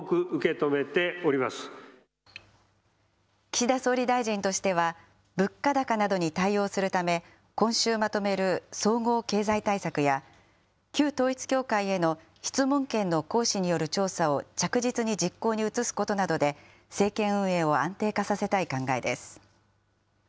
岸田総理大臣としては、物価高などに対応するため、今週まとめる総合経済対策や、旧統一教会への質問権の行使による調査を着実に実行に移すことなどで、政権運営を安定化させたい考えです。